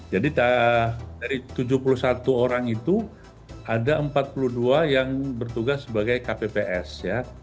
jadi dari tujuh puluh satu orang itu ada empat puluh dua yang bertugas sebagai kpps ya